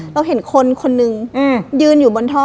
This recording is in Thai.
เราเห็นคนคนนึงยืนอยู่บนท่อ